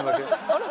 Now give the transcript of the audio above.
あれ？